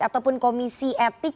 ataupun komisi etik